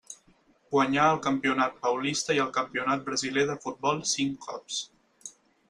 Guanyà el Campionat paulista i el Campionat brasiler de futbol cinc cops.